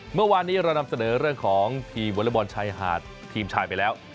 เมื่อวานนี้เรานำเสนอเรื่องของทีมวอเล็กบอลชายหาดทีมชายไปแล้ว